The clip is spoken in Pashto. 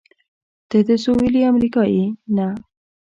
ته د سهېلي امریکا یې؟ نه.